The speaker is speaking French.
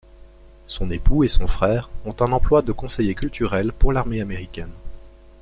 Son époux et son frère, ont un emploi de conseiller culturel pour l'armée américaine.